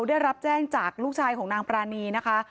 ได้รับแจ้งจากลูกชายของนางปรานีนะคะ